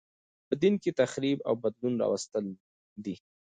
په دین کښي تحریف او بدلون راوستل دي.